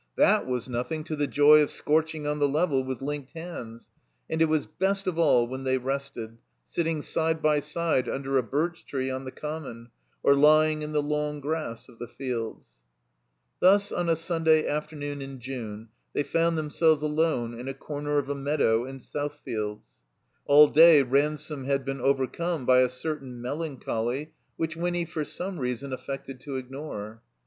That was nothing to the joy of scorching on the level with linked hands. And it was best of all when they rested, sitting side by side under a birch tree ontiie Common, or Ijring in the long grass of the fileds. Thus on a Stmday afternoon in June they found themselves alone in a comer of a meadow in South fields. All day Ransome had been overcome by a certain melancholy which Winny for some reason affected to ignore.